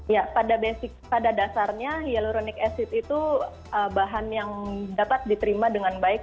ya pada dasarnya hyloronic acid itu bahan yang dapat diterima dengan baik